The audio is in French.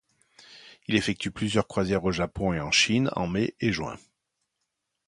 Il effectue plusieurs croisières au Japon et en Chine en mai et juin.